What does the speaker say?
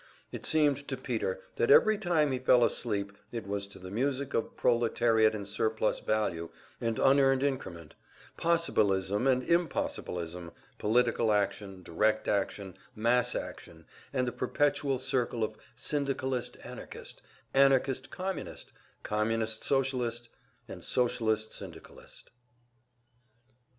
It seemed to Peter that every time he fell asleep it was to the music of proletariat and surplus value and unearned increment, possibilism and impossibilism, political action, direct action, mass action, and the perpetual circle of Syndicalist Anarchist, Anarchist Communist, Communist Socialist and Socialist Syndicalist.